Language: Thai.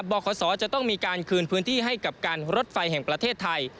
ขศจะต้องมีการคืนพื้นที่ให้กับการรถไฟแห่งประเทศไทย